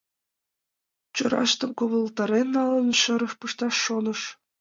Чораштым ковылтарен налын, шӱрыш пышташ шоныш.